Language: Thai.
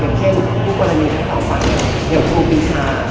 อย่างเช่นผู้กรณีไทยเตาฟังเหลือภูมิคาร์